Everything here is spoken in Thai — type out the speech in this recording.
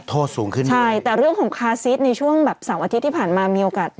โทษสูงขึ้นใช่แต่เรื่องของคาซิสในช่วงแบบเสาร์อาทิตย์ที่ผ่านมามีโอกาส